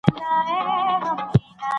دغه مېوه ډېره خوږه او خوندوره ده.